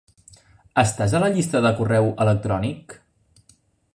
Estàs a la llista de correu electrònic?